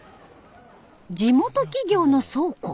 地元企業の倉庫。